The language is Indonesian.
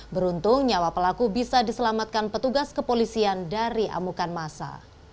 beruntung nyawa pelaku bisa diselamatkan petugas kepolisian dari amukan masa